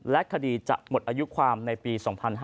และคดีจะหมดอายุความในปี๒๕๕๙